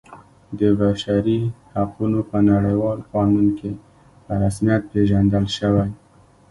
د بشري حقونو په نړیوال قانون کې په رسمیت پیژندل شوی.